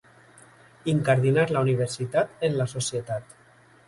Incardinar la universitat en la societat.